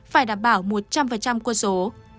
phải đảm bảo một trăm linh quân số